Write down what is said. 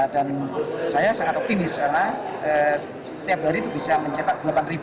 dan saya sangat optimis karena setiap hari itu bisa mencetak delapan